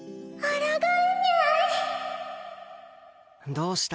どうした？